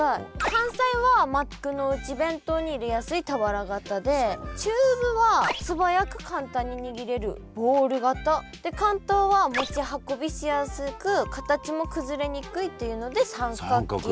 関西は幕の内弁当に入れやすい俵型で中部は素早く簡単ににぎれるボール型で関東は持ち運びしやすく形も崩れにくいっていうので三角形。